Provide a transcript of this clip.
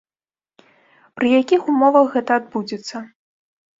Пры якіх умовах гэта адбудзецца.